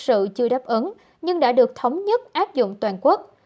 sự chưa đáp ứng nhưng đã được thống nhất áp dụng toàn quốc